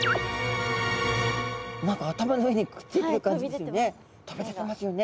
何か頭の上にくっついてる感じですよね。